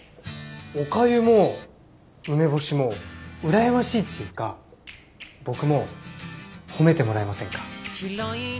おかゆも梅干しも羨ましいっていうか僕も褒めてもらえませんか？